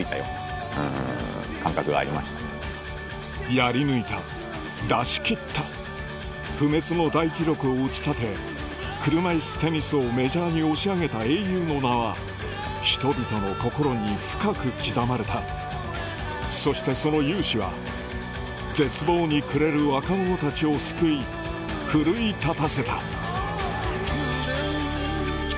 やり抜いた出しきった不滅の大記録を打ち立て車いすテニスをメジャーに押し上げた英雄の名は人々の心に深く刻まれたそしてその雄姿は絶望に暮れる若者たちを救い奮い立たせた